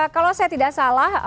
kalau saya tidak salah